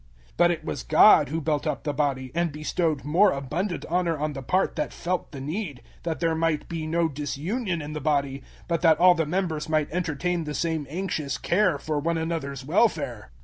012:024 But it was God who built up the body, and bestowed more abundant honor on the part that felt the need, 012:025 that there might be no disunion in the body, but that all the members might entertain the same anxious care for one another's welfare.